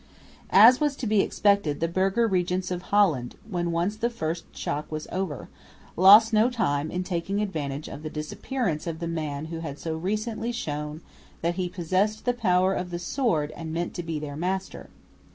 As was to be expected, the burgher regents of Holland, when once the first shock was over, lost no time in taking advantage of the disappearance of the man who had so recently shown that he possessed the power of the sword and meant to be their master.